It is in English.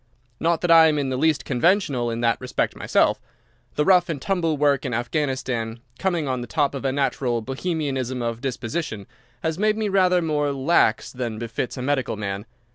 Not that I am in the least conventional in that respect myself. The rough and tumble work in Afghanistan, coming on the top of a natural Bohemianism of disposition, has made me rather more lax than befits a medical man.